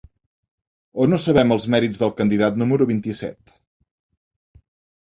O no sabem els mèrits del candidat número vint-i-set.